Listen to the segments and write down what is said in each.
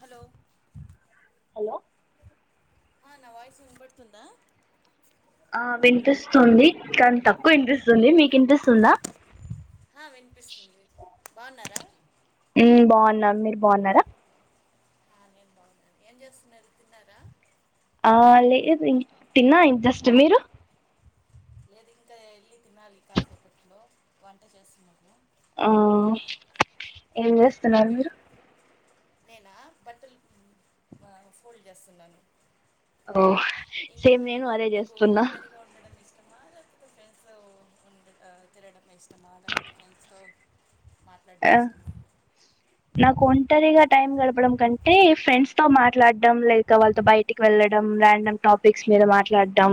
hello hello ఆ నా voice వినబడుతుందా ఆ వినిపిస్తుంది కానీ తక్కువ వినిపిస్తుంది మీకు వినిపిస్తుందా ఆ వినిపిస్తుంది బాగున్నారా ఉ బాగున్నా మీరు బాగున్నారా ఏం చేస్తున్నారు తిన్నారా ఆ లేదు ఇ తిన్నా ఇ జస్ట్ మీరు లేదు ఇంకా వెళ్లి తినాలి కాసేపట్లో వంట చేస్తున్న ఆ ఏం చేస్తున్నారు మీ మీరు నేనా బట్టలు ఫోల్డ్ చేస్తున్నాను ఓ ఇంకా సేమ్ నేను అదే మీకు చేస్తున్న ఒంటరిగా ఉండడం ఇష్టమా లేకపోతే ఫ్రెండ్స్ తో తినడం ఇష్టమా లేకపోతే ఫ్రెండ్స్ తో మాట్లాడటం ఆ ఇష్టమా నాకు ఒంటరిగా టైం గడపడం కంటే ఫ్రెండ్స్ తో మాట్లాడడం లేక వాళ్ళతో బయటికి వెళ్ళడం రాండం గా టాపిక్స్ మీద మాట్లాడడం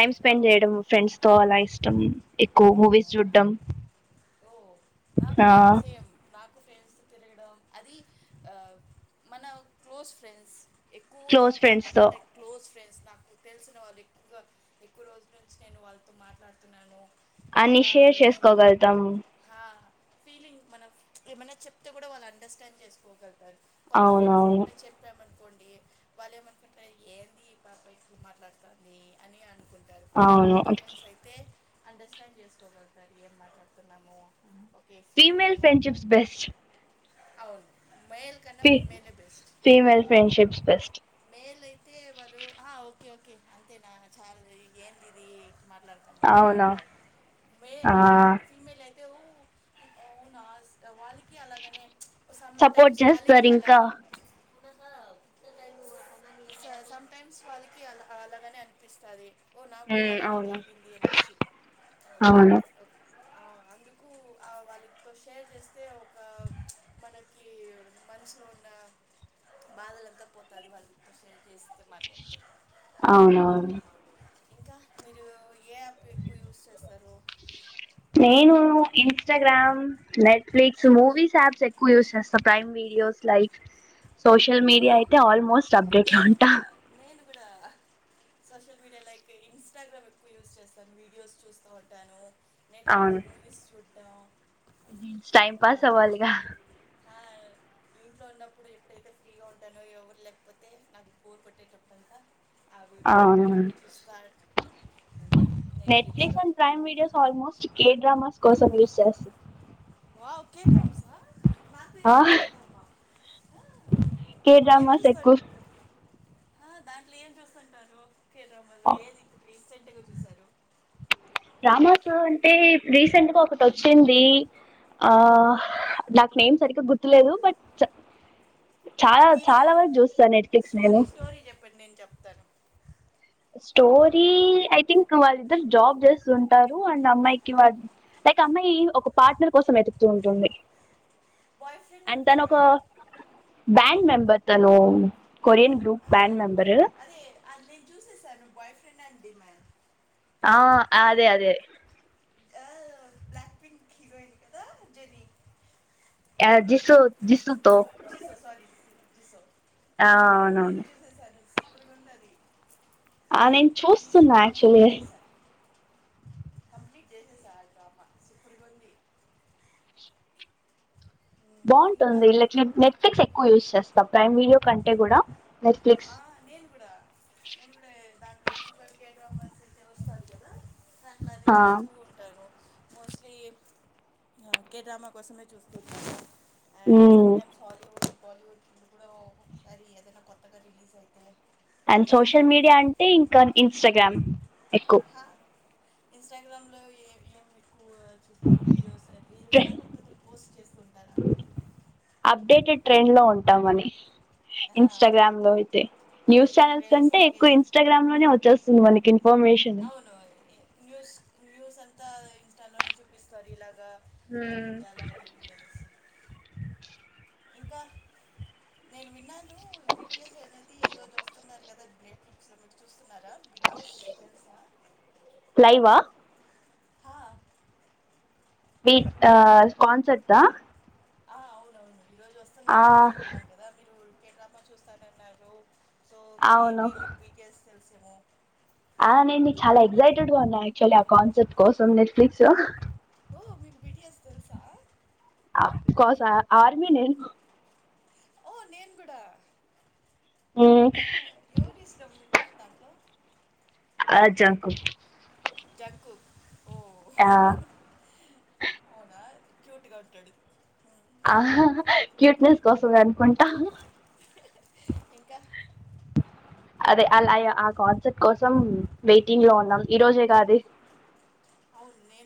ఆ స్పెండ్ చేయడం ఫ్రెండ్స్ తో అలా ఇష్టం ఎక్కువ మూవీస్ అవునా చూడడం ఓ నాకు సేమ్ నాకు ఫ్రెండ్స్ తిరగడం అది మన క్లోజ్ ఫ్రెండ్స్ ఎక్కువ క్లోజ్ ఫ్రెండ్స్ కాకుండా తో లైక్ క్లోజ్ ఫ్రెండ్స్ నాకు తెలిసిన వాళ్ళు ఎక్కువగా ఎక్కువ రోజుల నుంచి నేను వాళ్ళతో మాట్లాడుతున్నాను అన్ని షేర్ చేసుకోగలుతాము ఆ ఫీలింగ్ మనం ఏమైనా చెప్తే కూడా వాళ్ళు అండర్స్టాండ్ చేసుకోగలగు అవునవును నుకోండి వాళ్ళు ఏమనుకుంటారు ఏంది పాప ఇట్ల మాట్లాడతాంది అని అనుకుంటు అవును అండర్స్టాండ్ చేసుకోగలుగుతారు ఏం మాట్లాడుతున్నాము ఫీమేల్ ఫ్రెండ్షిప్స్ బెస్ట్ అవును మేల్ కన్నా ఫి ఫీమేలే బెస్ట్ ఫీమల్ ఫ్రెండ్షిప్స్ బెస్ట్ ఎల్లైతే వాళ్లు ఓ ఆ ఓకే ఓకే అంతేనా చాలు ఎందిది మాట్లాడం అవునా ఆ ఫీమేల్ అయితే వునా వాళ్ళకి అలాగనే సమ్ సపోర్ట్ టైమ్స్ వాళ్ళకి చేస్తారు ఇంకా అలాగే సటైమ్స్ వాళ్ళకి అ అలాగనే అనిపిస్తుంది ఓ నాకు ఉమ్ ఇలాగనే అవును జరిగింది అనేసి అవును అందుకు ఆ వాళ్లకి షేర్ చేస్తే ఒక మనకి మనసులో ఉన్న బాదలంతా పోతాది వాళ్ళతో షేర్ చేస్తే మాట్లాడితే అవునవును ఇంకా మీరు ఏ యాప్ ఎక్కువ యూస్ చేస్తారు నేను Instagram Netflix movies apps ఎక్కువ యూస్ చేస్తా ప్రైమ్ వీడియోస్ లైక్ సోషల్ ఆ, మీడియా అయితే ఆల్మోస్ట్ అప్డేట్ లో నేను ఉంటా కూడా నేను కూడా సోషల్ మీడియా లైక్ ఇన్స్టాగ్రామ్ ఎక్కువ యూస్ చేస్తాను వీడియోస్ చూస్తూ ఉంటాను నెట్ అవును ఫ్లిక్స్ మూవిస్ చూడటం టైం పాస్ అలాగా అవ్వాలిగా చా [unintelligible] ఇంట్లో ఉన్నప్పుడు ఎప్పుడైతే ఫ్రీగా ఉంటానో ఎవరు లేకపోతే నాకు బొర్ కోట్టేటప్పుడంత అవునా ఉంటా నెట్ఫ్లిక్స్లో కే డ్రామాస్ కోసం యూస్ చేస్తా వావ్ కే డ్రామ్స్ ఆ నాకు ఆ ఇష్టం కే డ్రామ ఆ కేడ్రామాస్ ఎక్కుస్ హ దాంట్లో ఏం చూస్తుంటారు వాక్ రిసెంట్గా చూశారు అమాస్ అంటే రీసెంట్ గా ఒక్కటి వచ్చింది ఆ నాకు నేమ్ సరిగ్గా గుర్తులేదు బట్ చాలా హీరో చాలా ఎవరు వరకు చూస్తా నెట్ ఫ్లిక్స్ నేను స్టోరీ స్టోరీ చెప్పండి నేను చెప్తాను స్టోరీ ఐ థింక్ వాళ్ళిద్దరు జాబ్ చేస్తుంటారు అండ్ అమ్మాయికి వాళ లైక్ అమ్మాయి ఒక పార్ట్నర్ కోసం వెతుకుతూ ఉంటుంది బాయ్ ఫ్రెండ్ అండ్ అండి ది తను ఒక మ్యాన్ బ్యాండ్ మెంబర్ తను కొరియన్ గ్రూప్ ఆ, బ్యాండ్ మెంబరు అదే అది నేను చూసేసాను బాయ్ ఫ్రెండ్ అండ్ డిమ్యాండ్ ఆ అదే అదే ఆ బ్లక్ పింక్ హీరోయిన్ కదా అంజలీ యా జిస్సు జిస్సుతో [unintelligible] జీ స్ ఓసారి జీ సో ఆ అవునవును సూపర్ గా ఉంది అది ఆ నేను ఇప్పుడే రీసెంట్ చూస్తున్నా యాక్చువలి కంప్లీట్ [unintelligible] రామా సూపర్ గా ఉంది మ్మ్, ఇంకా బాగుంటుంది లైక్ నెట్ ఫ్లిక్స్ ఎక్కువ యూజ్ చేస్తాం ప్రైమ్ వీడియో కంటే కూడా నెట్ఫ్లిక్స్ ఆ నేను కూడా నేను కూడా దాంట్లో ఎక్కువగా కే డ్రామాస్ వస్తాది కదా అట్లా అది ఆ చూస్తూ ఉంటాను మోస్ట్ లీ కేె డ్రామా కోసమే చూస్తు ఉంటాను and some um times Hollywood Bollywood లో కూడా ఒకసారి ఏదైనా కొత్తగా రిలీజ్ అయితే అండ్ అది చూస్తూ సోషల్ మీడియా ఉంటాను అంటే ఇంకా ఇన్స్టాగ్రామ్ ఎక్కువ ఇన్ స్ట్రాగ్రామ్ లో ఏమ్ ఏమి ఎక్కువ చూస్తారు వీడియోస్ ట్రె రీల్స్ అ లేకపోతే పోస్ట్ చేస్తు ఉంటార అప్డేటెడ్ ట్రెండ్ లో ఉంటామని ఆహా, ఇన్స్టాగ్రామ్ లో అయితే అవును న్యూస్ ఇప్పుడు ఛానల్స్ కంటే రీసెంట్గా ఎక్కువ ఏం ఇన్స్టాగ్రామ్ లోనే వచ్చేస్తుంది మనకి ఇన్ఫర్మేషన్ అవును ఏ- న్యూస్ న్యూస్ అంతా ఇన్స్టాలోనే చూపిస్తారు ఇలాగా జరిగింది అలాగే జరిగింది అనేసి ఇంకా నేను విన్నాను బిటిఎస్ అనేది ఈ రోజు వస్తుందంటా కదా నెట్ ఫ్లిక్స్ లో మీరు చూస్తున్నారా బిటిఎస్ తెలుసా లైవ్ ఆ హా వీక్ కాన్సెప్ట్ ఆ ఆ అవునవును ఈ రోజు ఆ వస్తున్నాది విన్నాను కదా మీరు కే డ్రామా చూస్తానన్నారు అవును [unintelligible] ఆ నేను చాలా ఎక్సైటెడ్ గా ఉన్నా యాక్చువల్లీ ఆ కాన్సెప్ట్ కోసం నెట్ఫ్లిక్స్ ఓ మీకు బిటీఎస్ తెలుసా ఆఫ్కోర్స్ ఆ ఆర్మీ నేను ఓ నేను కూడ ఊ కు దాంట్లో జంకు జంకు ఓ ఆ అవునా క్యూట్ గా ఉట్టాడు ఆ క్యూట్నెస్ కోసమే అనుకుంటా ఇంకా అదే అలా ఆ కాన్సర్ట్ కోసం వెయిటింగ్ లో ఉన్నాం ఈ రోజే కాదు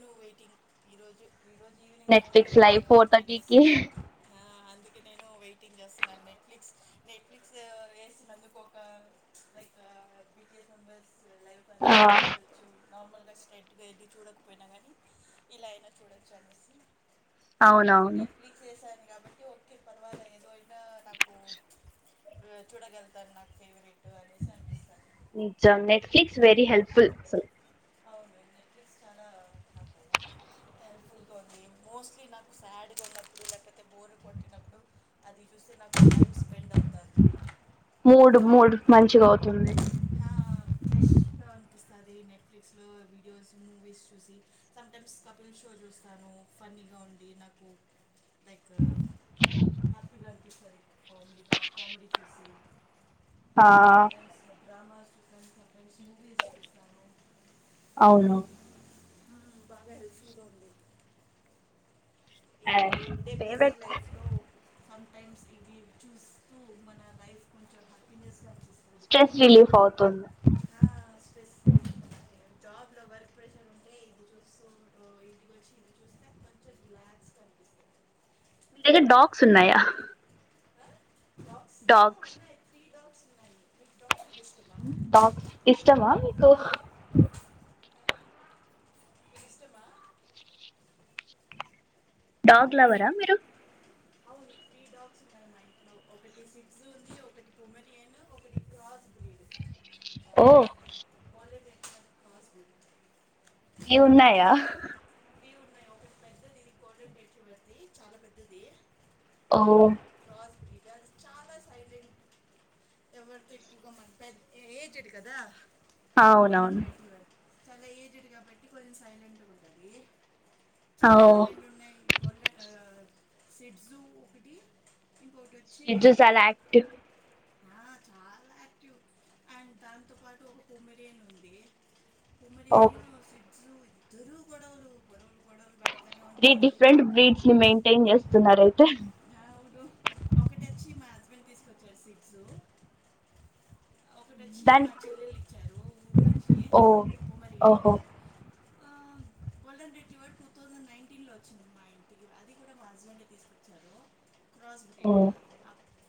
ను వెయిటింగ్ ఈ రోజు ఈ రోజు evening four Netflix thirty live four అనేసి థర్టీకి అందుకే నేను వెయిటింగ్ చేస్తునా నెట్ఫ్లిక్స్ నెట్ ఫ్లిక్స్ వేసినందుకు ఒక ఒక లైక్ లైవ్ ఆ అ చూడొచ్చు నార్మల్ గా స్ట్రైట్గా చూడకపోయినా కానీ ఇలా అయినా చూడచ్చు అనేసి ఓకే అవునవును నెట్ఫ్లిక్స్ చేసా కాబట్టి ఓకే పర్వాలేదు ఇగ నాకు చూడగలుతను నాకు ఫేవరెట్ అనేసి అనిపిస్తుంది నిజం నెట్ఫ్లిక్ వెరీ హెల్ప్ ఫుల్ అవును నెట్ఫ్లిక్ చాలా హెల్ప్ఫుల్గా ఉంది మోస్ట్లీ నాకు శాడ్గా ఉన్నప్పుడు లేకపోతే బోరు కొట్టినప్పుడు అది చూస్తే నాకు టైం స్పెండ్ అవుతుంది మూడు మూడు మంచిగా అవుతుంది వస్తాది నెట్ ఫ్లిక్స్ లో వీడియోస్ మూవీస్ చూసి సమ్టైమ్స్ కపిల్ షో చూస్తాను ఫన్నీగా ఉండి నాకు లైకు హ్యాపీగా అనిపిస్తుంది కామెడీగా కామెడీ చూసి ఆ సంటైమ్స్ డ్రామాస్ చూస్తాను సంటైమ్స్ మూవీస్ చూస్తాను అవును బాగా హెల్ప్ ఫుల్ గా ఉంది ఇప్పుడు ఉండే బిజీ ఫేవరెట్ లైఫ్ లో అ టైమ్స్ ఇవి చూస్తూ మన లైఫ్ కొంచెం హ్యాపీనెస్ గా నిపిస్త స్ట్రెస్ రిలీఫ్ అవుతుంది జాబ్ లో వర్క్ ప్రెషర్ ఉంటే ఇది చూస్తూ ఇంటికొచ్చి ఇది చూస్తే కొంచెం రిలాక్స్ గా త డాగ్స్ ఉన్నాయా డాగ్స్ డగ్స్ ఉన్నాయి త్రీ డాగ్స్ ఉన్నాయి అంటే ఇష్టమా డాగ్స్ ఇష్టమా మీకు ఆ, మీకు ఇష్టమా డాగ్ లవరా మీరు అవును త్రీ డాగ్స్ ఉన్నాయి మా ఇంట్లో ఒకటి సిగ్జ ఉంది ఒకటి ఉుమెన్ ఓ వాలెట్ క్రాస్ బ్రీడ్ త్రీ ఉన్నాయా త్రీ ఉన్నాయి ఒకటి పెద్దది కోరలు పెట్టి ఇవది చాలా పెద్దది ఓ క్రాస్ బ్రీడ్ చాలా సైలెంట్ ఎవరికి ఎక్కువగా మన పెద్ద ఏజెడ్ కదా కొళం అవునవును పెట్టివడు చాలా ఏజ్డ్ కాబట్టి కొంచెం సైలెంట్ గా ఉంటుంది ఓ చిన్న రెండు ఉన్నాయి వల సెడ్స్ ఒకటి ఇంకొకటి వచ్చి ఇజుసలాక్టివ్ ఆ చాలా యాక్టివ్ అండ్ దాంతో పాటు ఒక ఉమీరియన్ ఉంది ఓ జు ఇద్దరు గొడవలు గొడవలు గొడవలు పెడతానే డి ఉంటుంది డిఫరెంట్ బ్రీడ్స్ ని మెయింటైన్ చేస్తున్నారు అయితే నవును ఒకటి వచ్చి మా హస్బెండ్ తీసుకొచ్చారు సిగ్జు ఒకటొచ్చి మా దానికి చెల్లెలు ఇచ్చారు ఊరు నుంచి ఓ ఉమరియను ఓహో ఆ golden retriever two thousand nineteen లో వచ్చింది మా ఇంటికి అది కూడా మా హస్బెండే తీసుకు చారు క్రాస్ ఓ గ్రేడ్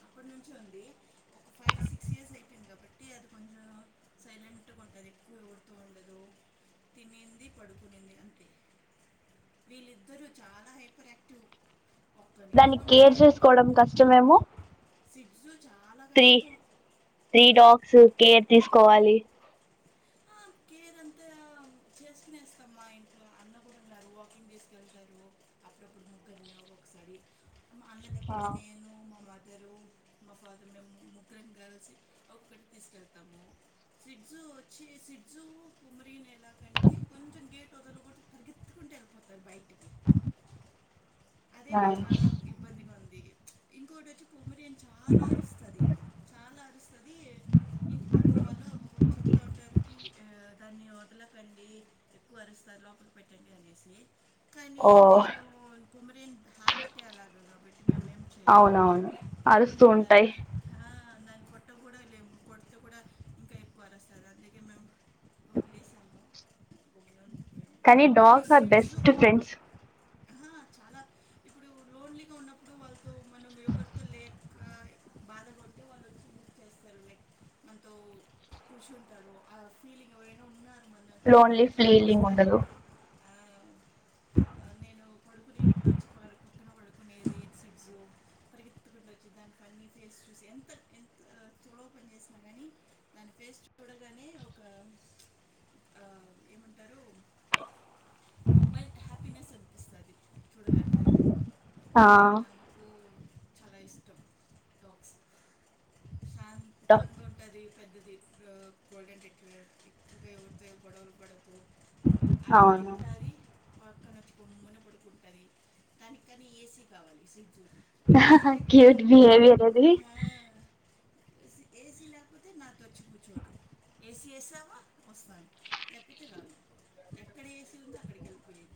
అప్పటి నుంచి ఉంది ఒక ఫైవ్ సిక్స్ ఇయర్స్ అయిపోయింది కాబట్టి అది కొంచెం సైలెంట్గా ఉంటది ఎక్కువ ఎవరితో ఉండదు తినింది పడుకునింది అంతే వీళ్ళిద్దరూ చానా హైపర్ యాక్టివ్ ఒక్క దాన్ని నిమిషం ఉండదు కేర్ చేసుకోవడం కష్టమేమో సిజ్జు త్రీ త్రీ డాగ్స్ కేర్ తీసుకోవాలి ఆ, కేర్ అంత చేసు కొనేస్తాం మా ఇంట్లో అన్న కూడా ఉన్నారు వాకింగ్ తిసుకెళ్తారు అప్పుడప్పుడు ముగ్గురిని ఒక్కొక్కసారి అం ఆ మా మదరు మా ఫాదర్ మేము ముగ్గురం గాలిసి ఒక్కటి తీసుకెళ్తాము సిజ్జు వచ్చి సి లోక లోకాటు పరిగెత్తుకుంటూ ఎలిపోతది బయటి అదే నైస్ చాలా ఇబ్బందిగా ఉంది ఇంకోక్కటి వచ్చి పుమిరిన్ అ చాలా అరుస్తది చాలా అరుస్తది ఇంటి పక్కన వాళ్ళు చెప్తా ఉంటారు పి ఆ దాన్ని వదలకండి ఎక్కువ అరుస్తాది లోపలి పెట్టండి అనేసి కానీ ఓ ఏం చెయలో పుమరిన్ హాబిట్టే అలాగ అవునవును అరుస్తూ ఉంటాయి పొట్ట కూడా లేం కొడితే కూడా ఇంకా ఎక్కువరుస్తది అందుకే మేము వదిలేసాము కుబంద కానీ డాగ్స్ ఆర్ బెస్ట్ ఫ్రెండ్స్ ఆహా, చాలా ఇప్పుడు లోన్లీగా ఉన్నప్పుడు వాళ్ళతో మనం ఎవరితో లేక బాధగావుంటే వాళ్ళో చ్చి గుర్తు చేస్తారు లైక్ మనతో కూర్చుంటారు ఆ ఫీలింగ్ ఎవరైనా ఉన్నరా లోన్లీ ఫీలింగ్ ఉండదు ఆ నేను పడుకునేటప్పుడు వచ్చి వారి పక్కన పడుకునేది సిడ్జు పరిగేత్తుకుంటు వచ్చీ దాని ఫన్నీ ఫేస్ చూసి ఎంత ఎం డొర్ ఓపెన్ చేసిన గాని దాని ఫేస్ చూడగానే ఒక ఆ ఏమంటారు మల్ హ్యాపీనెస్ అనిపిస్తది చూడాగానే ఆ చాలా ఇష్టం డాగ్స్ శాంతంగా ఉంటది పెద్ద రెట్రో గోల్డెన్ రెట్రివర్ ఎక్కువ ఎవరితో ఎగోడవలుపడదు అది అవును తింటాది పక్కన కుమ్మన పడుకుం దాని కానీ ఏసీ కావాలి సిజ్జు ఏసి లేకపోతే క్యూట్ బిహేవియర్ అది హ ఏసీ లేపోతే నాతొచ్చి కుచ్చోదు ఏసీ ఎసావా వస్తాను లేకపోతే రాను ఎక్కడ ఏసీ ఉందో అక్కడికి వెళ్ళిపోయేది